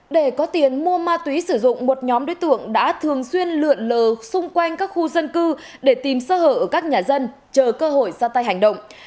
để có tiền mua ma túy sử dụng một nhóm đối tượng đã thường xuyên lượn lờ xung quanh các khu dân cư để tìm sơ hở ở các nhà dân chờ cơ hội ra tay hành động